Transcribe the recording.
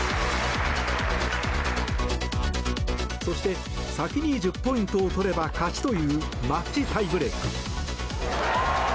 そして先に１０ポイントを取れば勝ちというマッチタイブレーク。